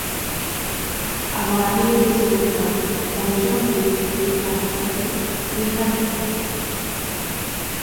Avant l'arrivée des européens, la région était occupée par le peuple Wiradjuri.